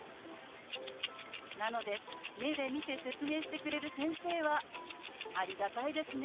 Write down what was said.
なので目で見て説明してくれる先生はありがたいですね。